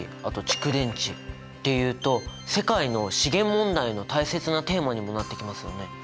あと「蓄電池」っていうと世界の資源問題の大切なテーマにもなってきますよね。